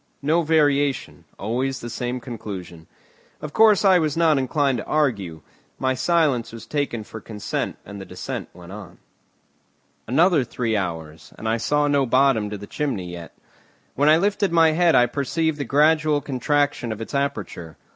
No variation, always the same conclusion. Of course, I was not inclined to argue. My silence was taken for consent and the descent went on. Another three hours, and I saw no bottom to the chimney yet. When I lifted my head I perceived the gradual contraction of its aperture.